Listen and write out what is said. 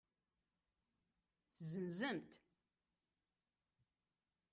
Tezenzem-tt?